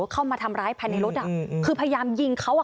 เข้ามาทำร้ายภายในรถคือพยายามยิงเขาอ่ะ